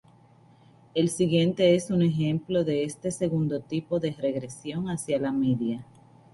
El siguiente es un ejemplo de este segundo tipo de regresión hacia la media.